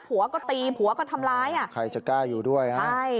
ผัวก็ตีผัวก็ทำร้ายอ่ะใครจะกล้าอยู่ด้วยฮะใช่